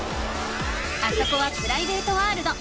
あそこはプライベートワールド。